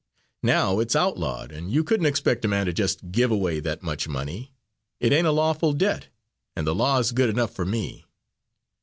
Now it's outlawed, and you couldn't expect a man to just give away that much money. It ain't a lawful debt, and the law's good enough for me."